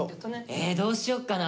えどうしよっかな。